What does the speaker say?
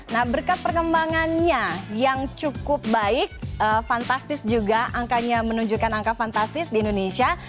nah berkat perkembangannya yang cukup baik fantastis juga angkanya menunjukkan angka fantastis di indonesia